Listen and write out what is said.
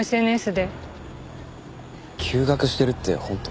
休学してるって本当？